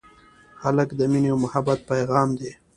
هلک د مینې او محبت پېغام دی.